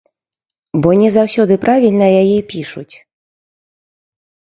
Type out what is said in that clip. Бо не заўсёды правільна яе пішуць.